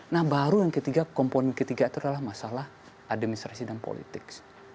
nah baru yang ketiga komponen ketiga itu adalah masalah administrasi dan politik